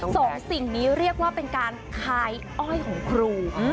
สองสิ่งนี้เรียกว่าเป็นการคายอ้อยของครู